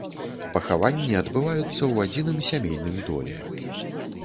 Пахаванні адбываюцца ў адзіным сямейным доле.